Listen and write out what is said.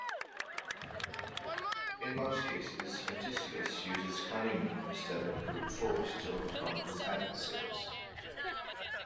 In most cases, Odysseus uses cunning instead of brute force to overcome his adversaries.